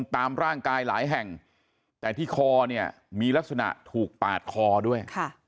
ตามร่างกายหลายแห่งแต่ที่คอเนี่ยมีลักษณะถูกปาดคอด้วย